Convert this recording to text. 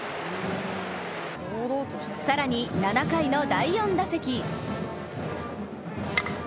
更に７回の第４打席。